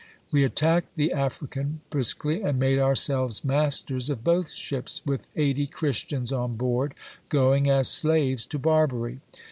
We attacked the African briskly, and made ourselves masters of both ships, with eighty Christians on board, going as slaves to Barbary.